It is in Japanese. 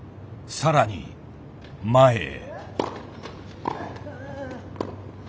更に前へ。